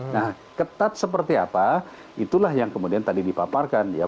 nah ketat seperti apa itulah yang kemudian tadi dipaparkan ya